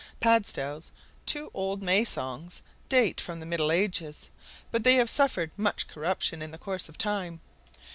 Padstow's two old May songs date from the Middle Ages, but they have suffered much corruption in the course of time.